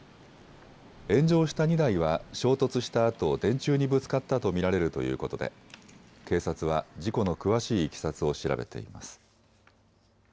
炎上した２台は衝突したあと電柱にぶつかったと見られるということで警察は事故の詳しいいきさつを調べています。